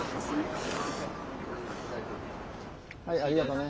はいありがとね。